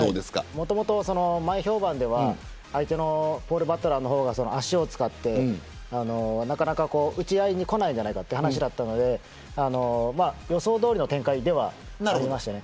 もともと前評判では相手のポール・バトラーの方が足を使って打ち合いにこないんじゃないかという話だったので予想どおりの展開ではありましたね。